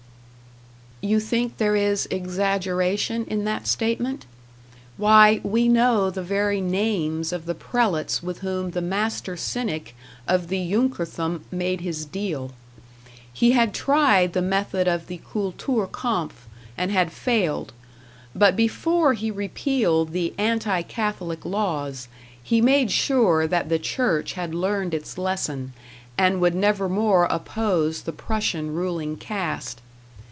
You think there is exaggeration in that statement? Why, we know the very names of the prelates with whom the master cynic of the Junkerthum made his "deal." He had tried the method of the Kultur kampf, and had failed; but before he repealed the anti Catholic laws, he made sure that the Church had learned its lesson, and would nevermore oppose the Prussian ruling caste.